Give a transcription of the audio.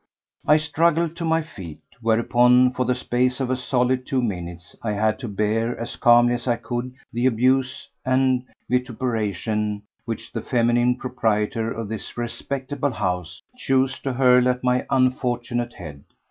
I struggled to my feet. Whereupon for the space of a solid two minutes I had to bear as calmly as I could the abuse and vituperation which the feminine proprietor of this "respectable house" chose to hurl at my unfortunate head.